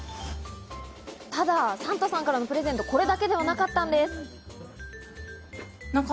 ただ、サンタさんからのプレゼントはこれだけではなかったんです。